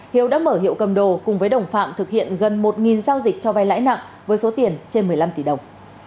hiếu đã mở hiệu cầm đồ cùng với đồng phạm thực hiện gần một giao dịch cho vai lãi nặng với số tiền trên một mươi năm tỷ đồng